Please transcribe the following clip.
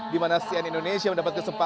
dimana cnn indonesia mendapatkan sebuah kesebutan